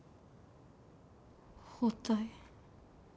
包帯。